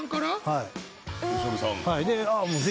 はい。